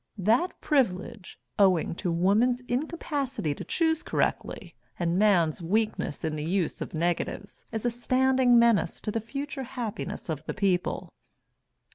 "That privilege, owing to woman's incapacity to choose correctly, and man's weakness in the use of negatives, is a standing menace to the future happiness of the people."